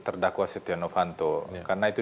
terdakwa setia novanto karena itu